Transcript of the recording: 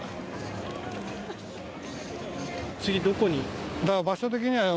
次どこに？